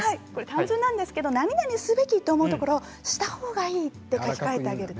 単純なんですがなになにすべきと思うところをしたほうがいいに置き換える。